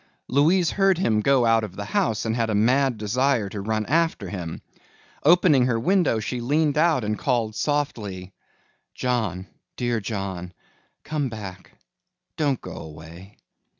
Louise heard him go out of the house and had a mad desire to run after him. Opening her window she leaned out and called softly, "John, dear John, come back, don't go away."